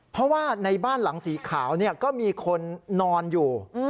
เพราะว่าในบ้านหลังสีขาวก็มีคนนอนอยู่